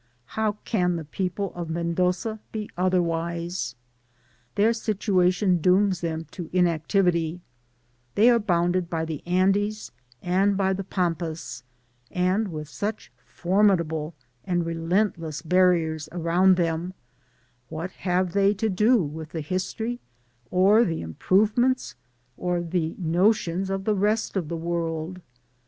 how cdn the people of Mendoza be otherwi^P Their situcition dooms them to inactiritj ;— they are bounded by th6 Andes and by the Pampas^ and, with such formi > dahte and relentless barriers around them, what have they fo do with the history, or the itnprovenientS) or the notions of the rest of the world